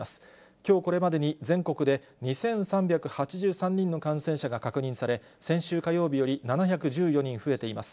きょうこれまでに全国で２３８３人の感染者が確認され、先週火曜日より７１４人増えています。